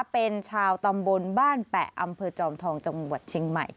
เป็นชาวตำบลบ้านแปะอำเภอจอมทองจังหวัดเชียงใหม่